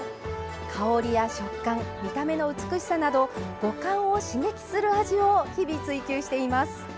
香りや食感、見た目の美しさなど五感を刺激する味を日々、追求しています。